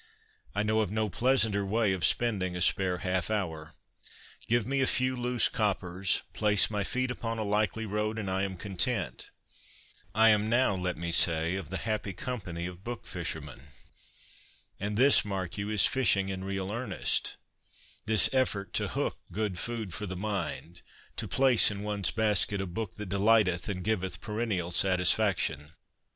I know of no pleasanter way of spending a spare half hour. Give me a few ' loose ' coppers, place my feet upon a likely road, and I am content. I am now, let me say, of the happy company of book fishermen. And this, mark you, is fishing in real earnest, this effort to ' hook ' good food for the mind, to place in one's basket a ' book that delighteth and giveth perennial satisfaction.'